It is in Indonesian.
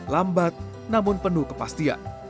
lambat namun penuh kepastian